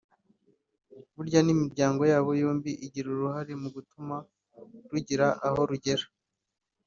burya n’imiryango yabo bombi igira uruhare mu gutuma rugira aho rugera